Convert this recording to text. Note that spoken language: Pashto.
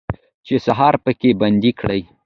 چې سهار پکې بندي کړي